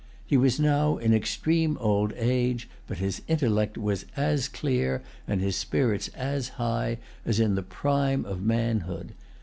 He was now in extreme old age; but his intellect was as clear, and his spirit as high, as in the prime of manhood.